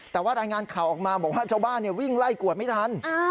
แต่ว่ารายงานข่าวออกมาบอกว่าชาวบ้านวิ่งไล่กวดไม่ทัน